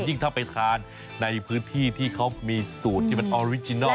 ยิ่งถ้าไปทานในพื้นที่ที่เขามีสูตรที่มันออริจินัล